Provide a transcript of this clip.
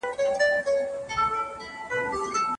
د اقتصادي پلان جوړوني بېلابېل ډولونه شتون لري.